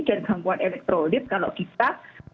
dan gangguan elektrolit kalau kita